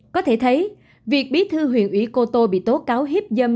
có thể thấy việc bí thư huyện ủy cô tô bị tố cáo hiếp dâm